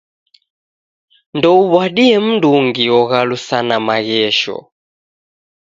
Ndouw'adie mndungi oghalusana maghesho.